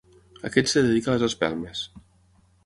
Aquest es dedica a les espelmes.